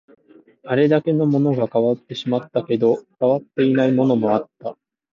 あれだけのものが変わってしまったけど、変わっていないものもあった